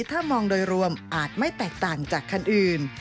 ถ้ามองโดยรวมอาจไม่แตกต่างจากคันอื่น